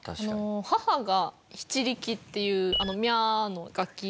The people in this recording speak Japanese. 母が篳篥っていうあのミャの楽器。